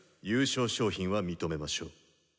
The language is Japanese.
優勝賞品は認めましょう。